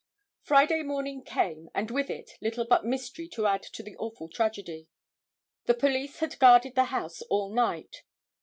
Friday morning came and with it little but mystery to add to the awful tragedy. The police had guarded the house all night.